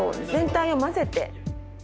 全体をまぜて。